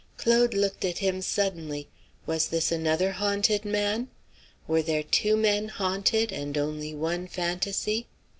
Claude looked at him suddenly. Was this another haunted man? Were there two men haunted, and only one fantasy?